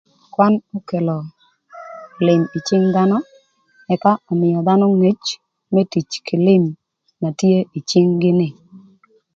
Kwan okelo lïm ï cïng dhanö ëka ömïö dhanö ngec më tic kï lïm na tye ï cïng-gï ni.